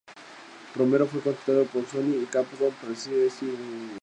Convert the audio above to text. Romero fue contratado por Sony y Capcom para dirigir y escribir "Resident Evil".